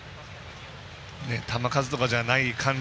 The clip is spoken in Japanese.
球数とかじゃない感じ